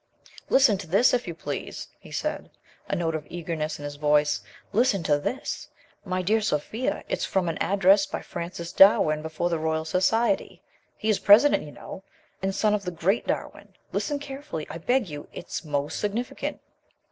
"Listen to this, if you please," he said, a note of eagerness in his voice, "listen to this, my dear Sophia. It's from an address by Francis Darwin before the Royal Society. He is president, you know, and son of the great Darwin. Listen carefully, I beg you. It is most significant."